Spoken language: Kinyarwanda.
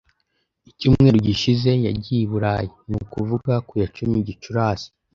Icyumweru gishize yagiye i Burayi, ni ukuvuga ku ya cumi Gicurasi .